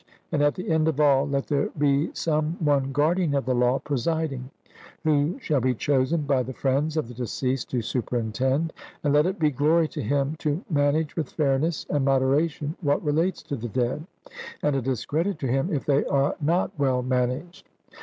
And at the end of all, let there be some one guardian of the law presiding, who shall be chosen by the friends of the deceased to superintend, and let it be glory to him to manage with fairness and moderation what relates to the dead, and a discredit to him if they are not well managed.